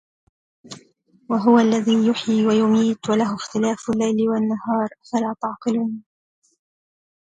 اشفعي لي صريم عند الكنود